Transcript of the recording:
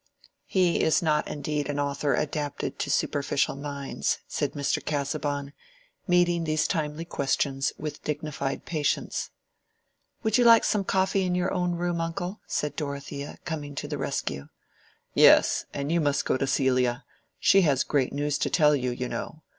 "He is not indeed an author adapted to superficial minds," said Mr. Casaubon, meeting these timely questions with dignified patience. "You would like coffee in your own room, uncle?" said Dorothea, coming to the rescue. "Yes; and you must go to Celia: she has great news to tell you, you know.